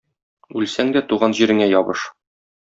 Үлсәң дә туган җиреңә ябыш.